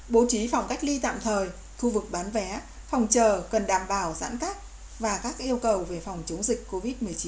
bố trí phòng cách ly tạm thời khu vực bán vé phòng chờ cần đảm bảo giãn cách và các yêu cầu về phòng chống dịch covid một mươi chín